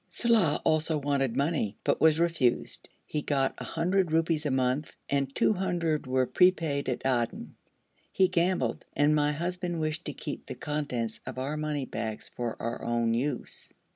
Saleh also wanted money, but was refused; he got 100 rupees a month, and 200 were prepaid at Aden. He gambled, and my husband wished to keep the contents of our money bags for our own use.